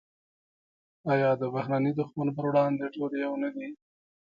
آیا د بهرني دښمن پر وړاندې ټول یو نه دي؟